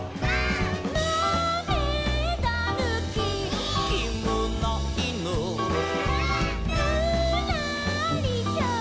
「まめだぬき」「」「きむないぬ」「」「ぬらりひょん」